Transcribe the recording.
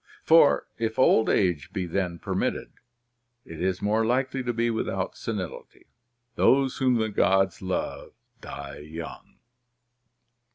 For if old age be then permitted, it is more likely to be with out senility. Those whom the gods love die young."